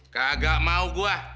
kagak mau gue